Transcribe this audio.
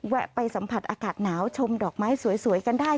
แวะไปสัมผัสอากาศหนาวชมดอกไม้สวยกันได้